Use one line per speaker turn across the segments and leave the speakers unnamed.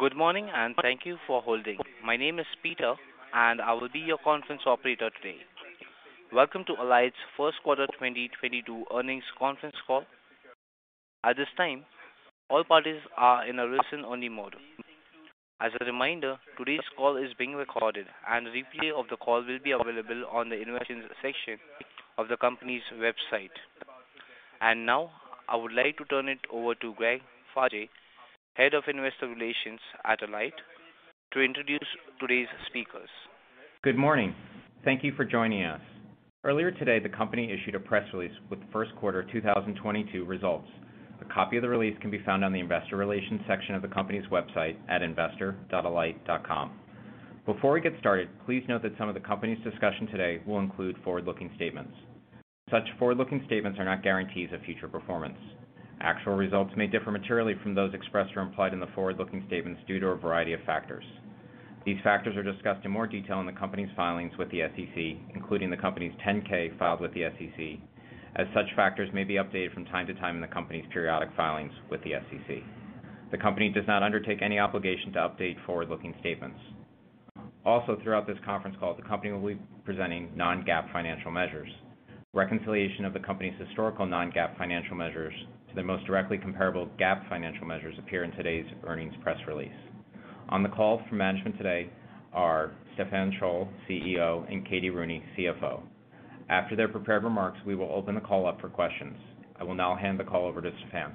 Good morning and thank you for holding. My name is Peter and I will be your conference operator today. Welcome to Alight's first quarter 2022 earnings conference call. At this time, all parties are in a listen only mode. As a reminder, today's call is being recorded and a replay of the call will be available on the investor section of the company's website. Now, I would like to turn it over to Greg Faje, Head of Investor Relations at Alight, to introduce today's speakers.
Good morning. Thank you for joining us. Earlier today, the company issued a press release with first quarter 2022 results. A copy of the release can be found on the Investor Relations section of the company's website at investor.alight.com. Before we get started, please note that some of the company's discussion today will include forward-looking statements. Such forward-looking statements are not guarantees of future performance. Actual results may differ materially from those expressed or implied in the forward-looking statements due to a variety of factors. These factors are discussed in more detail in the company's filings with the SEC, including the Company's 10-K filed with the SEC, as such factors may be updated from time to time in the company's periodic filings with the SEC. The company does not undertake any obligation to update forward-looking statements. Also, throughout this conference call, the company will be presenting non-GAAP financial measures. Reconciliation of the company's historical non-GAAP financial measures to the most directly comparable GAAP financial measures appear in today's earnings press release. On the call from management today are Stephan Scholl, CEO; and Katie Rooney, CFO. After their prepared remarks, we will open the call up for questions. I will now hand the call over to Stephan.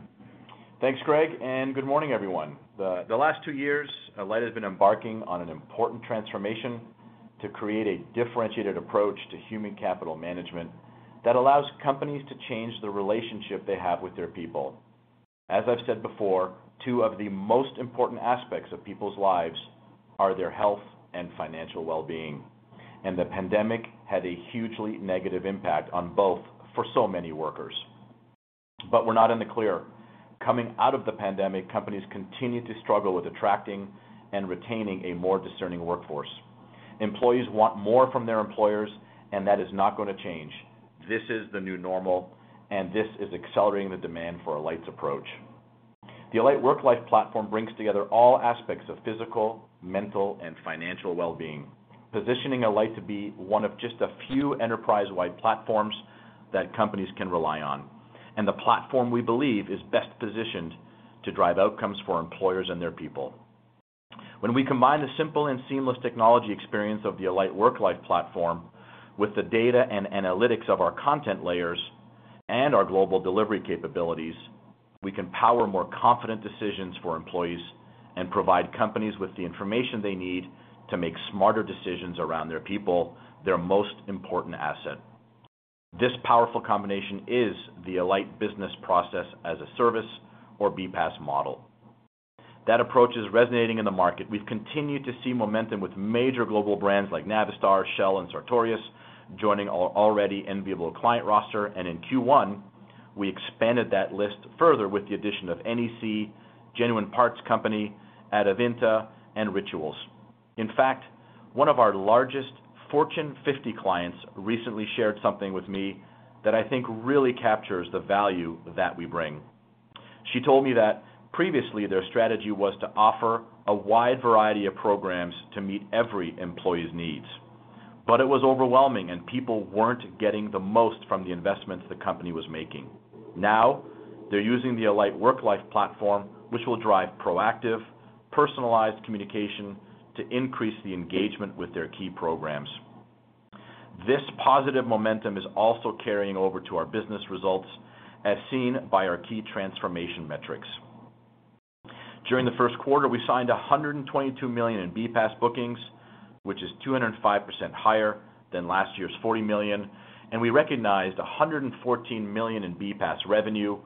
Thanks, Greg, and good morning, everyone. The last two years, Alight has been embarking on an important transformation to create a differentiated approach to human capital management that allows companies to change the relationship they have with their people. As I've said before, two of the most important aspects of people's lives are their health and financial well-being, and the pandemic had a hugely negative impact on both for so many workers. We're not in the clear. Coming out of the pandemic, companies continue to struggle with attracting and retaining a more discerning workforce. Employees want more from their employers, and that is not going to change. This is the new normal, and this is accelerating the demand for Alight's approach. The Alight Worklife platform brings together all aspects of physical, mental, and financial well-being, positioning Alight to be one of just a few enterprise-wide platforms that companies can rely on. The platform we believe is best positioned to drive outcomes for employers and their people. When we combine the simple and seamless technology experience of the Alight Worklife platform with the data and analytics of our content layers and our global delivery capabilities, we can power more confident decisions for employees and provide companies with the information they need to make smarter decisions around their people, their most important asset. This powerful combination is the Alight Business Process as a Service or BPaaS model. That approach is resonating in the market. We've continued to see momentum with major global brands like Navistar, Shell, and Sartorius joining our already enviable client roster. In Q1, we expanded that list further with the addition of NEC, Genuine Parts Company, Adevinta, and Rituals. In fact, one of our largest Fortune 50 clients recently shared something with me that I think really captures the value that we bring. She told me that previously, their strategy was to offer a wide variety of programs to meet every employee's needs. It was overwhelming, and people weren't getting the most from the investments the company was making. Now, they're using the Alight Worklife platform, which will drive proactive, personalized communication to increase the engagement with their key programs. This positive momentum is also carrying over to our business results, as seen by our key transformation metrics. During the first quarter, we signed $122 million in BPaaS bookings, which is 205% higher than last year's $40 million, and we recognized $114 million in BPaaS revenue,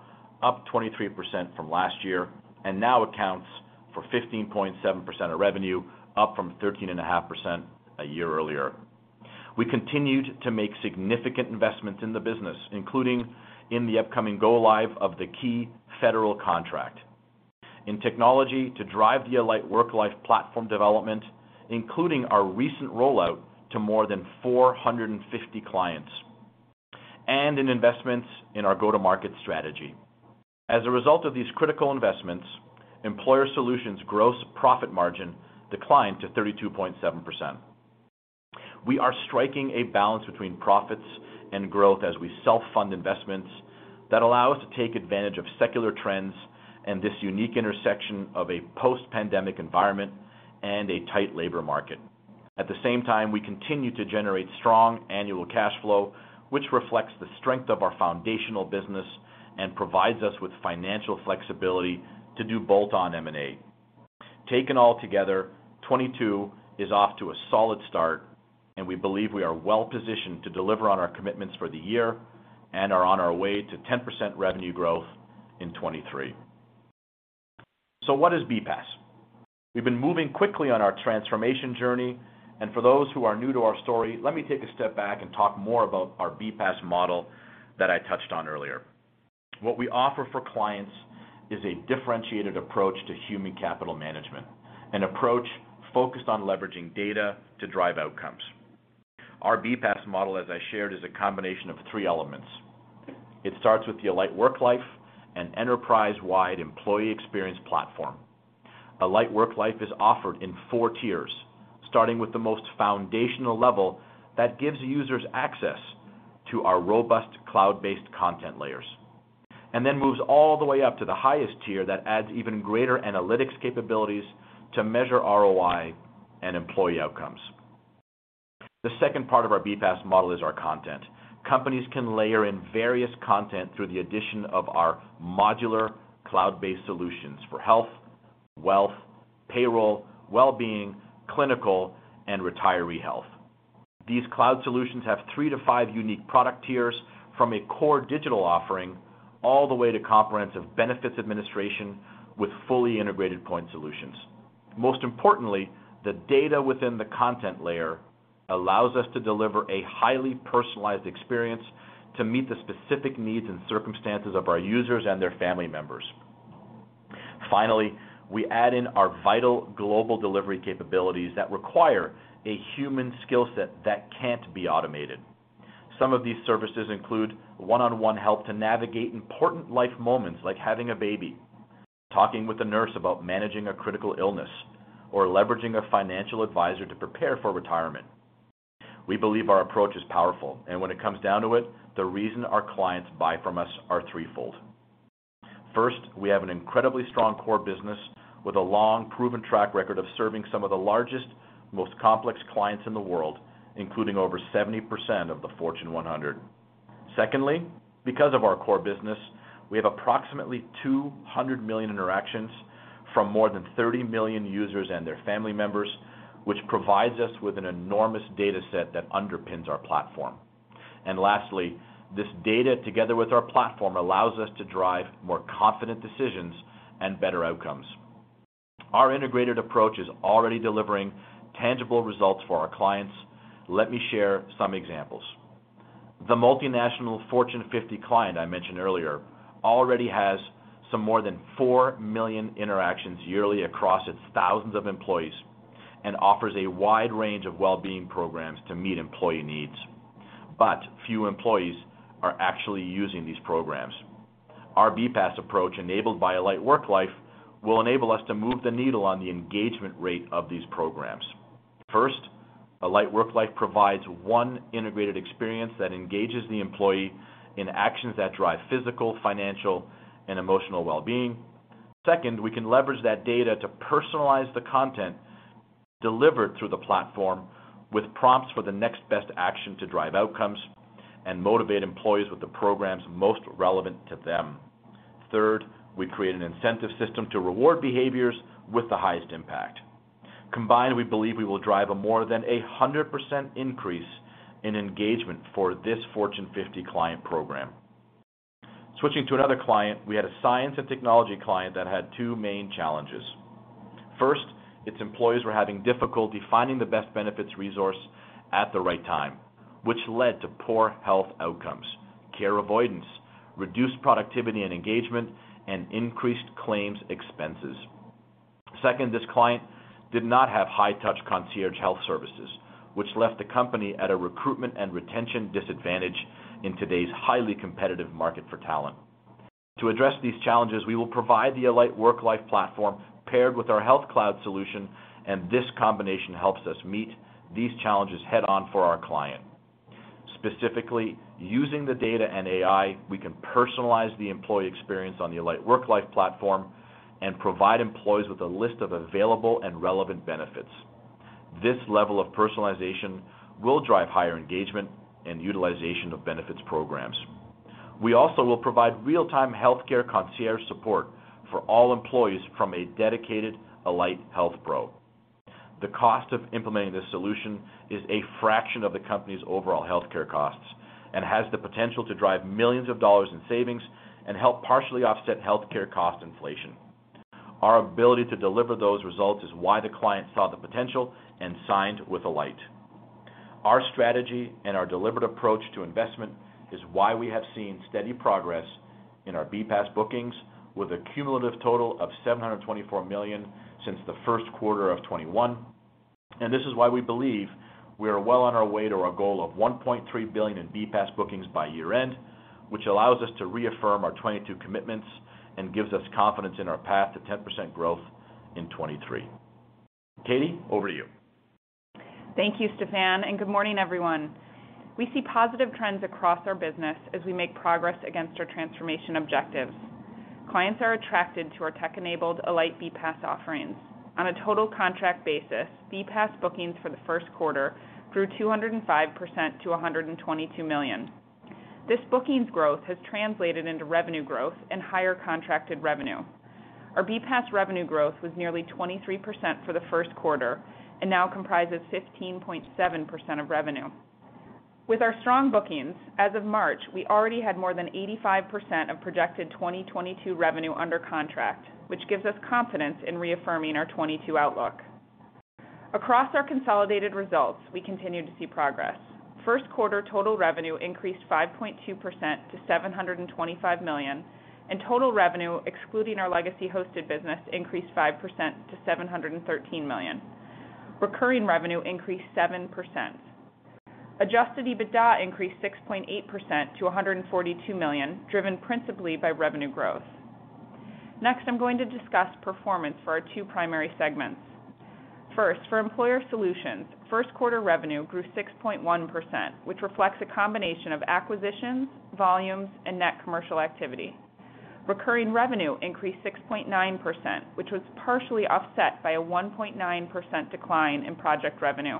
up 23% from last year, and now accounts for 15.7% of revenue, up from 13.5% a year earlier. We continued to make significant investments in the business, including in the upcoming go live of the key federal contract, in technology to drive the Alight Worklife platform development, including our recent rollout to more than 450 clients, and in investments in our go-to-market strategy. As a result of these critical investments, Employer Solutions gross profit margin declined to 32.7%. We are striking a balance between profits and growth as we self-fund investments that allow us to take advantage of secular trends and this unique intersection of a post-pandemic environment and a tight labor market. At the same time, we continue to generate strong annual cash flow, which reflects the strength of our foundational business and provides us with financial flexibility to do bolt-on M&A. Taken all together, 2022 is off to a solid start, and we believe we are well positioned to deliver on our commitments for the year and are on our way to 10% revenue growth in 2023. What is BPaaS? We've been moving quickly on our transformation journey, and for those who are new to our story, let me take a step back and talk more about our BPaaS model that I touched on earlier. What we offer for clients is a differentiated approach to human capital management, an approach focused on leveraging data to drive outcomes. Our BPaaS model, as I shared, is a combination of three elements. It starts with the Alight Worklife and enterprise-wide employee experience platform. Alight Worklife is offered in four tiers, starting with the most foundational level that gives users access to our robust cloud-based content layers, and then moves all the way up to the highest tier that adds even greater analytics capabilities to measure ROI and employee outcomes. The second part of our BPaaS model is our content. Companies can layer in various content through the addition of our modular cloud-based solutions for health, wealth, payroll, well-being, clinical, and retiree health. These cloud solutions have three to five unique product tiers from a core digital offering all the way to comprehensive benefits administration with fully integrated point solutions. Most importantly, the data within the content layer allows us to deliver a highly personalized experience to meet the specific needs and circumstances of our users and their family members. Finally, we add in our vital global delivery capabilities that require a human skill set that can't be automated. Some of these services include one-on-one help to navigate important life moments like having a baby, talking with a nurse about managing a critical illness, or leveraging a financial advisor to prepare for retirement. We believe our approach is powerful, and when it comes down to it, the reason our clients buy from us are threefold. First, we have an incredibly strong core business with a long-proven track record of serving some of the largest, most complex clients in the world, including over 70% of the Fortune 100. Secondly, because of our core business, we have approximately 200 million interactions from more than 30 million users and their family members, which provides us with an enormous data set that underpins our platform. Lastly, this data together with our platform allows us to drive more confident decisions and better outcomes. Our integrated approach is already delivering tangible results for our clients. Let me share some examples. The multinational Fortune 50 client I mentioned earlier already has some more than 4 million interactions yearly across its thousands of employees and offers a wide range of well-being programs to meet employee needs. Few employees are actually using these programs. Our BPaaS approach enabled by Alight Worklife will enable us to move the needle on the engagement rate of these programs. First, Alight Worklife provides one integrated experience that engages the employee in actions that drive physical, financial, and emotional well-being. Second, we can leverage that data to personalize the content delivered through the platform with prompts for the next best action to drive outcomes and motivate employees with the programs most relevant to them. Third, we create an incentive system to reward behaviors with the highest impact. Combined, we believe we will drive a more than a 100% increase in engagement for this Fortune 50 client program. Switching to another client, we had a science and technology client that had two main challenges. First, its employees were having difficulty finding the best benefits resource at the right time, which led to poor health outcomes, care avoidance, reduced productivity and engagement, and increased claims expenses. Second, this client did not have high touch concierge health services, which left the company at a recruitment and retention disadvantage in today's highly competitive market for talent. To address these challenges, we will provide the Alight Worklife platform paired with our Health Cloud solution, and this combination helps us meet these challenges head on for our client. Specifically, using the data and AI, we can personalize the employee experience on the Alight Worklife platform and provide employees with a list of available and relevant benefits. This level of personalization will drive higher engagement and utilization of benefits programs. We also will provide real-time healthcare concierge support for all employees from a dedicated Alight Health Pro. The cost of implementing this solution is a fraction of the company's overall healthcare costs and has the potential to drive millions of dollars in savings and help partially offset healthcare cost inflation. Our ability to deliver those results is why the client saw the potential and signed with Alight. Our strategy and our deliberate approach to investment is why we have seen steady progress in our BPaaS bookings with a cumulative total of $724 million since the first quarter of 2021. This is why we believe we are well on our way to our goal of $1.3 billion in BPaaS bookings by year-end, which allows us to reaffirm our 2022 commitments and gives us confidence in our path to 10% growth in 2023. Katie, over to you.
Thank you, Stephan, and good morning, everyone. We see positive trends across our business as we make progress against our transformation objectives. Clients are attracted to our tech-enabled Alight BPaaS offerings. On a total contract basis, BPaaS bookings for the first quarter grew 205% to $122 million. This bookings growth has translated into revenue growth and higher contracted revenue. Our BPaaS revenue growth was nearly 23% for the first quarter and now comprises 15.7% of revenue. With our strong bookings, as of March, we already had more than 85% of projected 2022 revenue under contract, which gives us confidence in reaffirming our 2022 outlook. Across our consolidated results, we continue to see progress. First quarter total revenue increased 5.2% to $725 million, and total revenue, excluding our legacy hosted business, increased 5% to $713 million. Recurring revenue increased 7%. Adjusted EBITDA increased 6.8% to $142 million, driven principally by revenue growth. Next, I'm going to discuss performance for our two primary segments. First, for Employer Solutions, first quarter revenue grew 6.1%, which reflects a combination of acquisitions, volumes, and net commercial activity. Recurring revenue increased 6.9%, which was partially offset by a 1.9% decline in project revenue.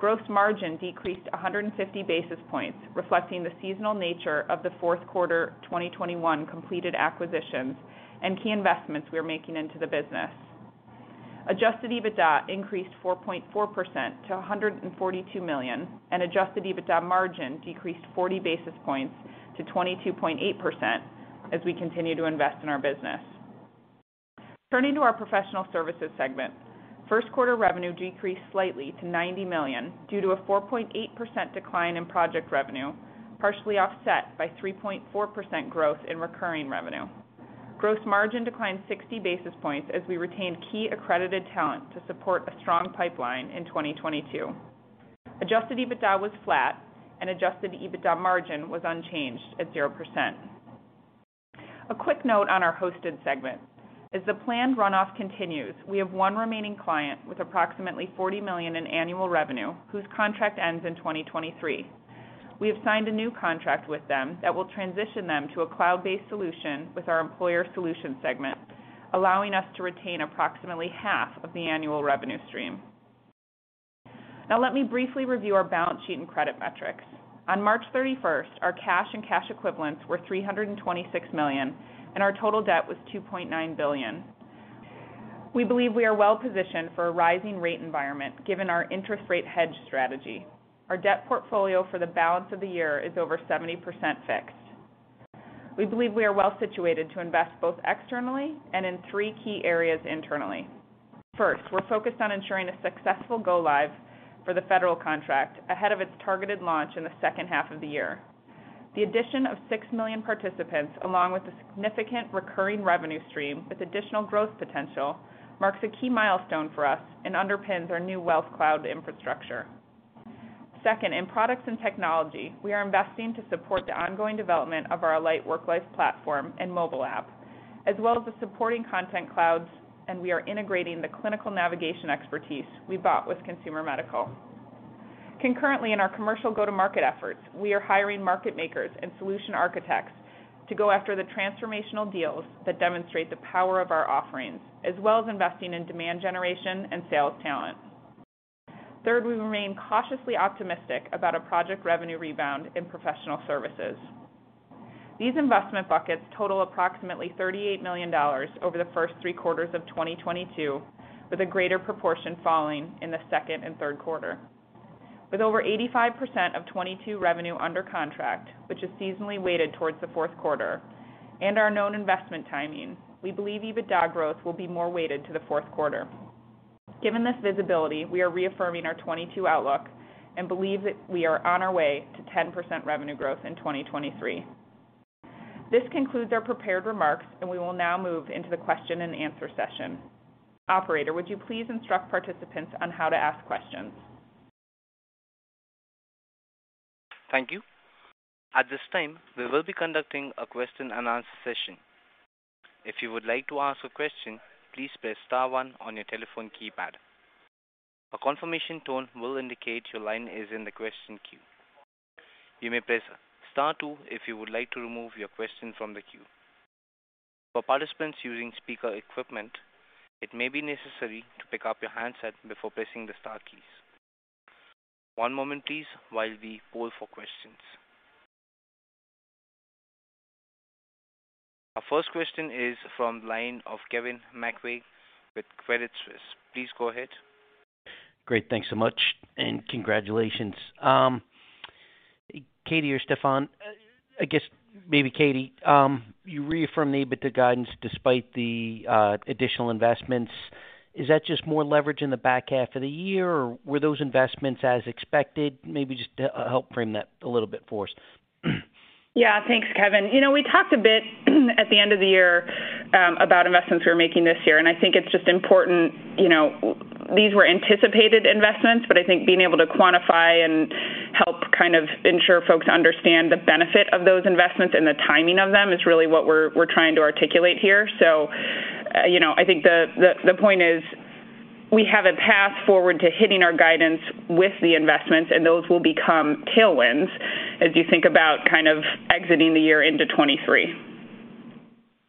Gross margin decreased 150 basis points, reflecting the seasonal nature of the fourth quarter 2021 completed acquisitions and key investments we are making into the business. Adjusted EBITDA increased 4.4% to $142 million, and Adjusted EBITDA margin decreased 40 basis points to 22.8% as we continue to invest in our business. Turning to our Professional Services segment. First quarter revenue decreased slightly to $90 million due to a 4.8% decline in project revenue, partially offset by 3.4% growth in recurring revenue. Gross margin declined 60 basis points as we retained key accredited talent to support a strong pipeline in 2022. Adjusted EBITDA was flat, and Adjusted EBITDA margin was unchanged at 0%. A quick note on our hosted segment. As the planned runoff continues, we have one remaining client with approximately $40 million in annual revenue whose contract ends in 2023. We have signed a new contract with them that will transition them to a cloud-based solution with our Employer Solutions segment, allowing us to retain approximately half of the annual revenue stream. Now, let me briefly review our balance sheet and credit metrics. On March 31st, our cash and cash equivalents were $326 million, and our total debt was $2.9 billion. We believe we are well positioned for a rising rate environment, given our interest rate hedge strategy. Our debt portfolio for the balance of the year is over 70% fixed. We believe we are well situated to invest both externally and in three key areas internally. First, we're focused on ensuring a successful go live for the federal contract ahead of its targeted launch in the second half of the year. The addition of 6 million participants, along with a significant recurring revenue stream with additional growth potential, marks a key milestone for us and underpins our new Wealth Cloud infrastructure. Second, in products and technology, we are investing to support the ongoing development of our Alight Worklife platform and mobile app, as well as the supporting content clouds, and we are integrating the clinical navigation expertise we bought with ConsumerMedical. Concurrently in our commercial go-to-market efforts, we are hiring market makers and solution architects to go after the transformational deals that demonstrate the power of our offerings, as well as investing in demand generation and sales talent. Third, we remain cautiously optimistic about a project revenue rebound in Professional Services. These investment buckets total approximately $38 million over the first three quarters of 2022, with a greater proportion falling in the second and third quarter. With over 85% of 2022 revenue under contract, which is seasonally weighted towards the fourth quarter, and our known investment timing, we believe EBITDA growth will be more weighted to the fourth quarter. Given this visibility, we are reaffirming our 2022 outlook and believe that we are on our way to 10% revenue growth in 2023. This concludes our prepared remarks, and we will now move into the question and answer session. Operator, would you please instruct participants on how to ask questions?
Thank you. At this time, we will be conducting a question and answer session. If you would like to ask a question, please press star one on your telephone keypad. A confirmation tone will indicate your line is in the question queue. You may press star two if you would like to remove your question from the queue. For participants using speaker equipment, it may be necessary to pick up your handset before pressing the star keys. One moment, please, while we poll for questions. Our first question is from line of Kevin McVeigh with Credit Suisse. Please go ahead.
Great. Thanks so much, and congratulations. Katie or Stephan, I guess maybe Katie, you reaffirmed the EBITDA guidance despite the additional investments. Is that just more leverage in the back half of the year, or were those investments as expected? Maybe just help frame that a little bit for us.
Yeah. Thanks, Kevin. You know, we talked a bit at the end of the year about investments we were making this year, and I think it's just important, you know, these were anticipated investments, but I think being able to quantify and help kind of ensure folks understand the benefit of those investments and the timing of them is really what we're trying to articulate here. You know, I think the point is we have a path forward to hitting our guidance with the investments, and those will become tailwinds as you think about kind of exiting the year into 2023.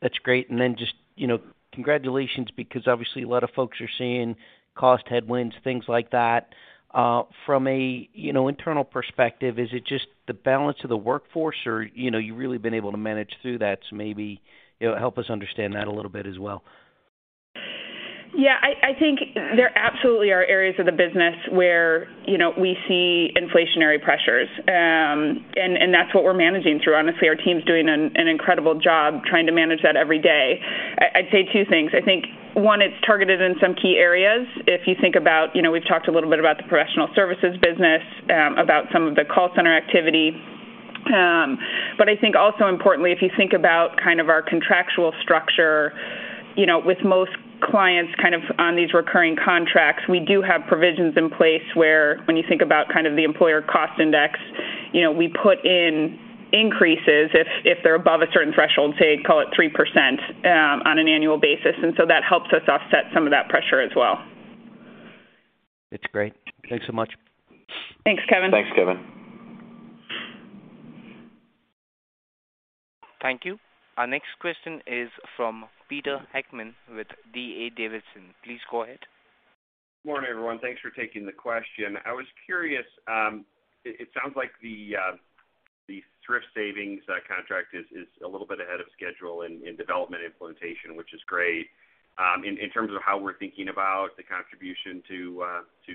That's great. Then just, you know, congratulations because obviously a lot of folks are seeing cost headwinds, things like that. From a, you know, internal perspective, is it just the balance of the workforce or, you know, you've really been able to manage through that? Maybe, you know, help us understand that a little bit as well.
Yeah. I think there absolutely are areas of the business where, you know, we see inflationary pressures, and that's what we're managing through. Honestly, our team's doing an incredible job trying to manage that every day. I'd say two things. I think, one, it's targeted in some key areas. If you think about, you know, we've talked a little bit about the Professional Services business, about some of the call center activity. But I think also importantly, if you think about kind of our contractual structure, you know, with most clients kind of on these recurring contracts, we do have provisions in place where when you think about kind of the Employment Cost Index, you know, we put in increases if they're above a certain threshold, say, call it 3%, on an annual basis. That helps us offset some of that pressure as well.
That's great. Thanks so much.
Thanks, Kevin.
Thanks, Kevin.
Thank you. Our next question is from Peter Heckmann with D.A. Davidson. Please go ahead.
Morning, everyone. Thanks for taking the question. I was curious, it sounds like the Thrift Savings Plan contract is a little bit ahead of schedule in development implementation, which is great. In terms of how we're thinking about the contribution to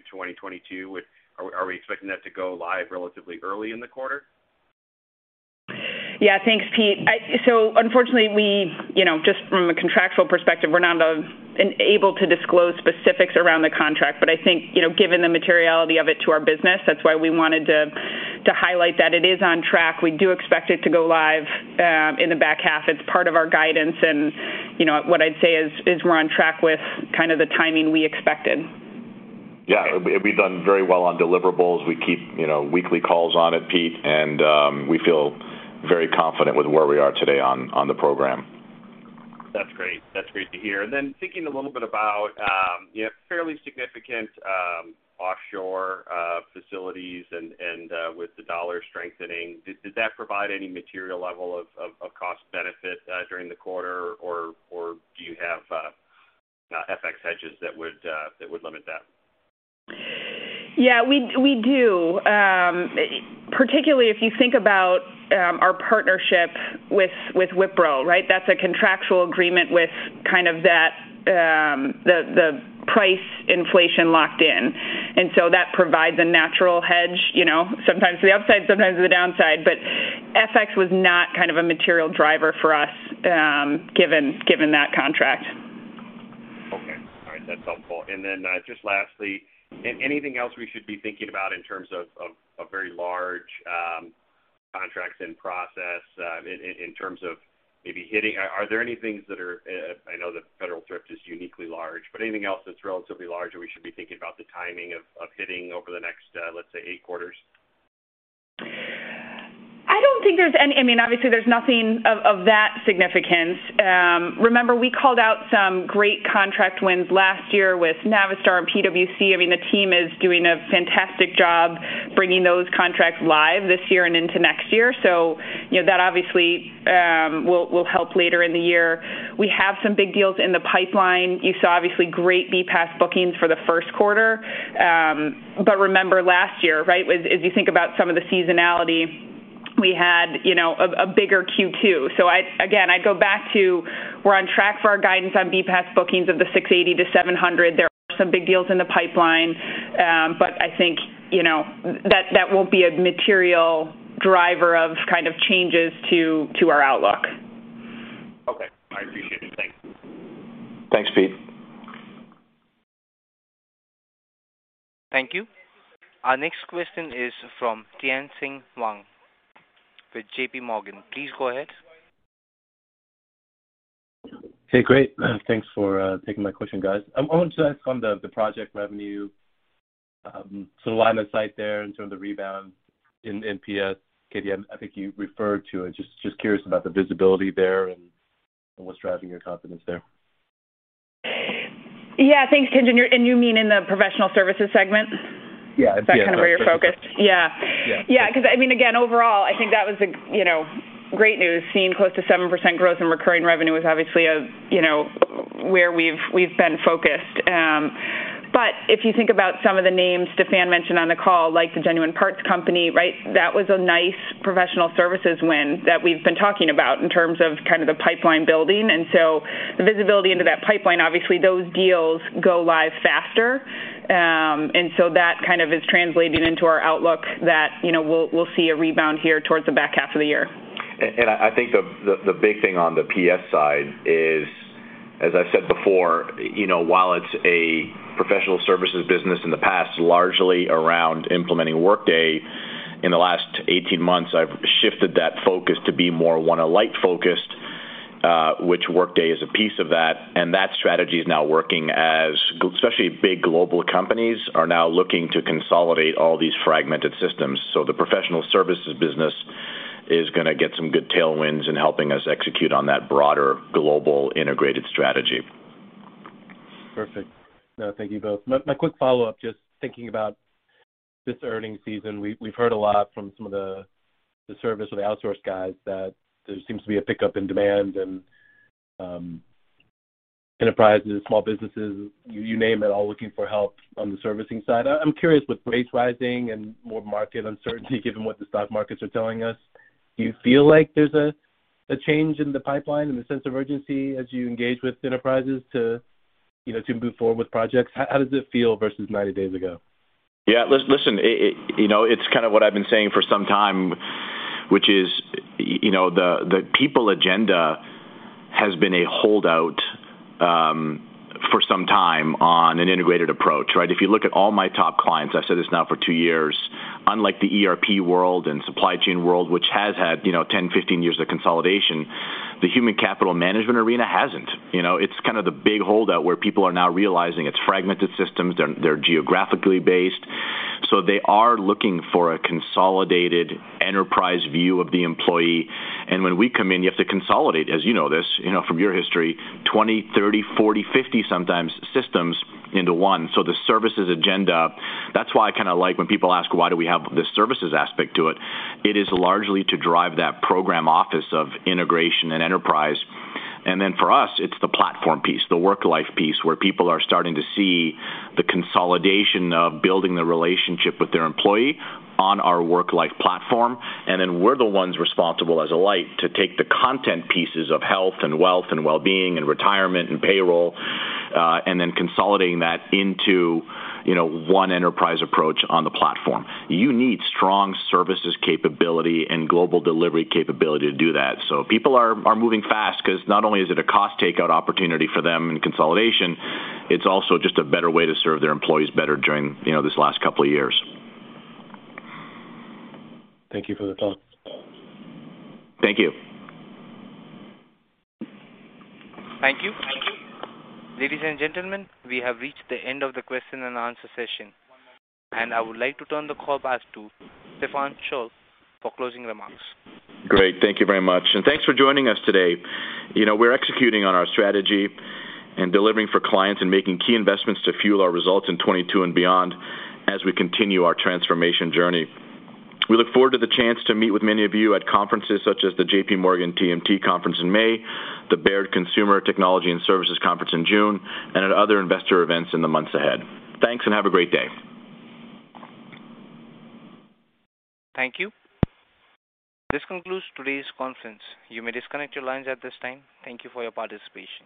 2022, are we expecting that to go live relatively early in the quarter?
Yeah. Thanks, Pete. Unfortunately, we, you know, just from a contractual perspective, we're not able to disclose specifics around the contract. I think, you know, given the materiality of it to our business, that's why we wanted to highlight that it is on track. We do expect it to go live in the back half. It's part of our guidance and, you know, what I'd say is we're on track with kind of the timing we expected.
Yeah. We've done very well on deliverables. We keep, you know, weekly calls on it, Pete, and we feel very confident with where we are today on the program.
That's great. That's great to hear. Then thinking a little bit about, you know, fairly significant offshore facilities and with the dollar strengthening, did that provide any material level of cost benefit during the quarter or do you have FX hedges that would limit that?
Yeah. We do. Particularly if you think about our partnership with Wipro, right? That's a contractual agreement with kind of that the price inflation locked in. That provides a natural hedge, you know, sometimes the upside, sometimes the downside. FX was not kind of a material driver for us, given that contract.
Okay. All right. That's helpful. Just lastly, anything else we should be thinking about in terms of very large contracts in process, in terms of maybe hitting. I know the Federal Thrift is uniquely large, but anything else that's relatively large that we should be thinking about the timing of hitting over the next, let's say, eight quarters?
I don't think there's anything of that significance. I mean, obviously there's nothing of that significance. Remember we called out some great contract wins last year with Navistar and PwC. I mean, the team is doing a fantastic job bringing those contracts live this year and into next year. You know, that obviously will help later in the year. We have some big deals in the pipeline. You saw obviously great BPaaS bookings for the first quarter. Remember last year, right, was as you think about some of the seasonality we had, you know, a bigger Q2. Again, I'd go back to we're on track for our guidance on BPaaS bookings of $680 million-$700 million. There are some big deals in the pipeline, but I think, you know, that won't be a material driver of kind of changes to our outlook.
Okay. I appreciate it. Thanks.
Thanks, Pete.
Thank you. Our next question is from Tien-Tsin Huang with JPMorgan. Please go ahead.
Hey. Great. Thanks for taking my question, guys. I want to ask on the project revenue, sort of line of sight there in terms of the rebound in PS. Katie, I think you referred to it. Just curious about the visibility there and what's driving your confidence there.
Yeah. Thanks, Tien-Tsin. You mean in the Professional Services segment?
Yeah.
That's kind of where you're focused. Yeah.
Yeah.
Yeah, 'cause I mean, again, overall, I think that was, you know, great news, seeing close to 7% growth in recurring revenue is obviously, you know, where we've been focused. But if you think about some of the names Stephan mentioned on the call, like the Genuine Parts Company, right? That was a nice Professional Services win that we've been talking about in terms of kind of the pipeline building. The visibility into that pipeline, obviously, those deals go live faster. That kind of is translating into our outlook that, you know, we'll see a rebound here towards the back half of the year.
I think the big thing on the PS side is, as I said before, you know, while it's a Professional Services business in the past, largely around implementing Workday, in the last 18 months I've shifted that focus to be more one Alight focused, which Workday is a piece of that. That strategy is now working as especially big global companies are now looking to consolidate all these fragmented systems. The Professional Services business is gonna get some good tailwinds in helping us execute on that broader global integrated strategy.
Perfect. No, thank you both. My quick follow-up, just thinking about this earnings season, we've heard a lot from some of the service or the outsource guys that there seems to be a pickup in demand and enterprises, small businesses, you name it, all looking for help on the servicing side. I'm curious with rates rising and more market uncertainty, given what the stock markets are telling us, do you feel like there's a change in the pipeline and the sense of urgency as you engage with enterprises to, you know, to move forward with projects? How does it feel versus 90 days ago?
Yeah. You know, it's kind of what I've been saying for some time, which is, you know, the people agenda has been a holdout for some time on an integrated approach, right? If you look at all my top clients, I've said this now for two years, unlike the ERP world and supply chain world, which has had, you know, 10, 15 years of consolidation, the human capital management arena hasn't. You know, it's kind of the big holdout where people are now realizing it's fragmented systems, they're geographically based. So they are looking for a consolidated enterprise view of the employee. When we come in, you have to consolidate, as you know this, you know, from your history, 20, 30, 40, 50 sometimes systems into one. The services agenda, that's why I kind of like when people ask, why do we have the services aspect to it? It is largely to drive that program office of integration and enterprise. For us, it's the platform piece, the Worklife piece, where people are starting to see the consolidation of building the relationship with their employee on our Worklife platform. We're the ones responsible as Alight to take the content pieces of health and wealth and well-being and retirement and payroll, and then consolidating that into, you know, one enterprise approach on the platform. You need strong services capability and global delivery capability to do that. People are moving fast 'cause not only is it a cost takeout opportunity for them in consolidation, it's also just a better way to serve their employees better during, you know, this last couple of years.
Thank you for the time.
Thank you.
Thank you. Ladies and gentlemen, we have reached the end of the question and answer session, and I would like to turn the call back to Stephan Scholl for closing remarks.
Great. Thank you very much, and thanks for joining us today. You know, we're executing on our strategy and delivering for clients and making key investments to fuel our results in 2022 and beyond as we continue our transformation journey. We look forward to the chance to meet with many of you at conferences such as the JPMorgan TMT Conference in May, the Baird Global Consumer, Technology & Services Conference in June, and at other investor events in the months ahead. Thanks, and have a great day.
Thank you. This concludes today's conference. You may disconnect your lines at this time. Thank you for your participation.